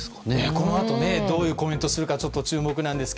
このあと、どういうコメントするか注目ですが。